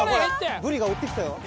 ブリが追ってきたよ。